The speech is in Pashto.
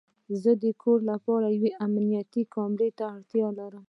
زه د کور لپاره یوې امنیتي کامرې ته اړتیا لرم